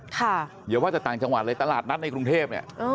เดี๋ยวว่าจากต่างจังหวาศ์เลยตลาดนัทในครุงเทพ